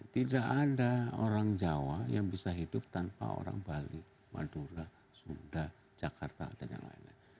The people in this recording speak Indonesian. tidak ada orang jawa yang bisa hidup tanpa orang bali madura sunda jakarta dan yang lain lain